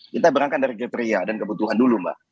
kita berangkat dari kriteria dan kebutuhan dulu mbak